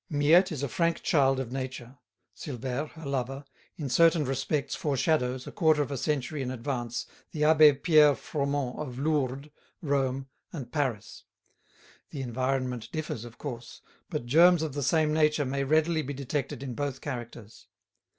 Miette is a frank child of nature; Silvère, her lover, in certain respects foreshadows, a quarter of a century in advance, the Abbé Pierre Fromont of "Lourdes," "Rome," and "Paris." The environment differs, of course, but germs of the same nature may readily be detected in both characters.